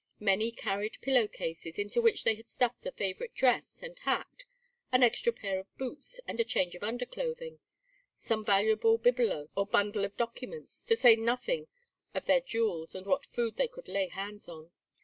Many carried pillow cases, into which they had stuffed a favorite dress and hat, an extra pair of boots and a change of underclothing, some valuable bibelot or bundle of documents; to say nothing of their jewels and what food they could lay hands on.